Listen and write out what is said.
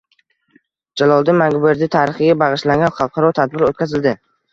Jaloliddin Manguberdi tarixiga bag‘ishlangan xalqaro tadbir o‘tkazilading